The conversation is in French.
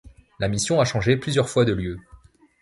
La mission a changé plusieurs fois de lieu.